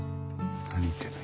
何言ってんの？